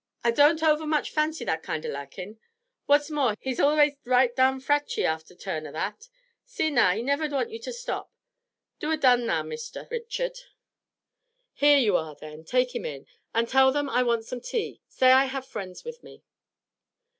'Ah doan't ovver much fancy that kind o' laakin. What's more, he's allus reight dahn fratchy after a turn o' that. See nah, he'll nivver want you to stop. Do a' done nah, Mr. Richard.' 'Here you are then; take him in, and tell them I want some tea; say I have friends with me.'